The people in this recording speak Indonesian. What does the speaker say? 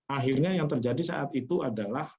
akhirnya yang terjadi saat itu adalah